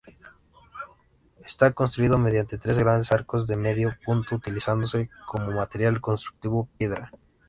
Está construido mediante tres grandes arcos de medio punto, utilizándose como material constructivo piedra.